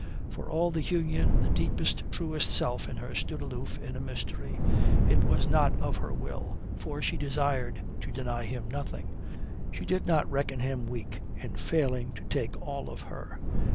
For all the union, the deepest, truest self in her stood aloof in a mystery. It was not of her will, for she desired to deny him nothing. She did not reckon him weak in failing to take all of her.